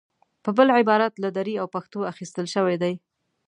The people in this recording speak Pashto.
په بل عبارت له دري او پښتو اخیستل شوې دي.